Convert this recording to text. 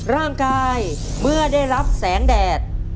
ร่างกายเมื่อได้รับแสงแดด